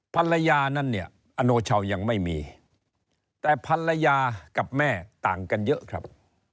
ภรรยานั้นเนี่ยอโนชาวยังไม่มีแต่ภรรยากับแม่ต่างกันเยอะครับ